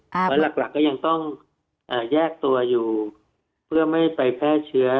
เพราะหลักก็ยังต้องแยกตัวอยู่เพื่อไม่ไปแพร่เชื้อ